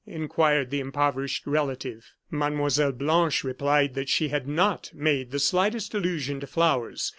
inquired the impoverished relative. Mlle. Blanche replied that she had not made the slightest allusion to flowers.